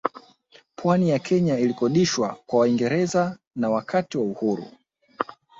Pwani ya Kenya ilikodishwa kwa Waingereza na Wakati wa uhuru